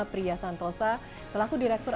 priya santosa selaku direktur